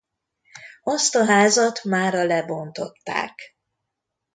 Azt a házat mára lebontották.